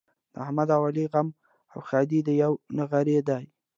د احمد او علي غم او ښادي د یوه نغري دي.